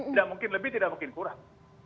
tidak mungkin lebih tidak mungkin kurang